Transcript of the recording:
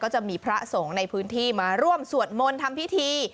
จะมีพระสงฆ์ในพื้นที่มาร่วมสวดมนต์ทำพิธี